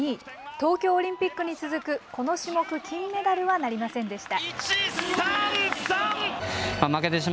東京オリンピックに続くこの種目、金メダルはなりませんでした。